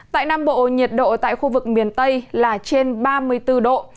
tại nam bộ nhiệt độ tại khu vực miền tây là trên ba mươi bốn độ